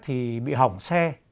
thì bị hỏng xe